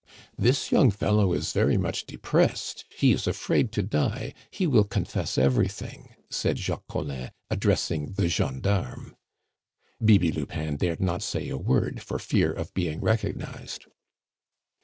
"This young fellow is very much depressed; he is afraid to die, he will confess everything," said Jacques Collin, addressing the gendarme. Bibi Lupin dared not say a word for fear of being recognized.